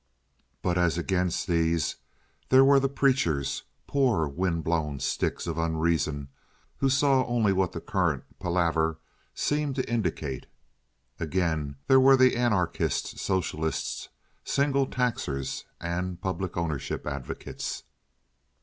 But as against these there were the preachers—poor wind blown sticks of unreason who saw only what the current palaver seemed to indicate. Again there were the anarchists, socialists, single taxers, and public ownership advocates.